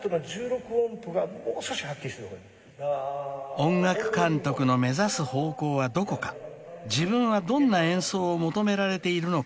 ［音楽監督の目指す方向はどこか自分はどんな演奏を求められているのか］